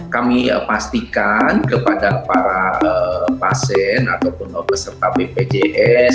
kami pastikan kepada para pasien ataupun peserta bpjs